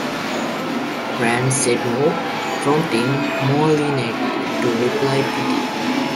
Rand said no, prompting Moholy-Nagy to reply Pity.